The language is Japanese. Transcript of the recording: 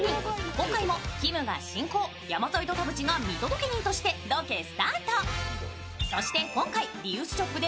今回もきむが進行、山添と田渕が見届け人としてロケスタート。